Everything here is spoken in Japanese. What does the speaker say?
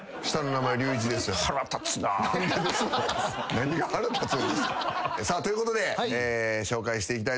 何が腹立つんですか。ということで紹介していきたいと思います。